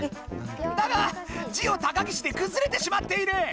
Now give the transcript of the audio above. だがジオ高岸でくずれてしまっている。